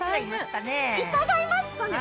いかがいますかね？